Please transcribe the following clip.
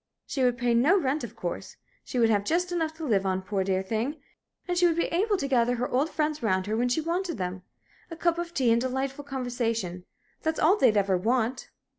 She would pay no rent, of course. She would have just enough to live on, poor, dear thing! And she would be able to gather her old friends round her when she wanted them. A cup of tea and her delightful conversation that's all they'd ever want."